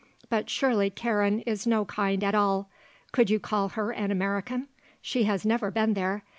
But surely Karen is no kind at all. Could you call her an American? She has never been there.